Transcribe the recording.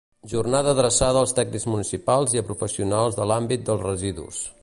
Jornada adreçada als tècnics municipals i a professionals de l'àmbit dels residus.